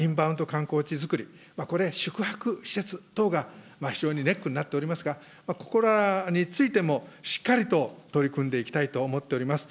観光地づくり、これ、宿泊施設等が非常にネックになっておりますが、ここらについてもしっかりと取り組んでいきたいと思っております。